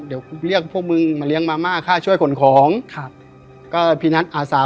เดี๋ยวกูเรียกพวกมึงมาเลี้ยงมาม่าค่าช่วยขนของครับก็พี่นัทอาสา